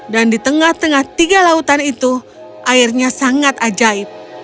di tengah tengah tiga lautan itu airnya sangat ajaib